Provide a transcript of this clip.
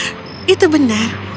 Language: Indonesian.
hahaha itu benar